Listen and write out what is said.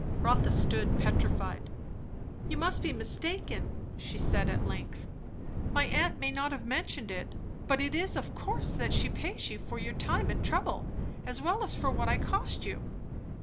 Rotha stood petrified. "You must be mistaken," she said at length. "My aunt may not have mentioned it, but it is of course that she pays you for your time and trouble, as well as for what I cost you."